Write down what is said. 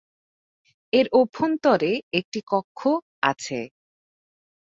এর অভ্যন্তরে একটি কক্ষ আছে।